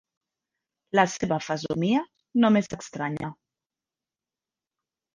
La seva fesomia no m'és estranya.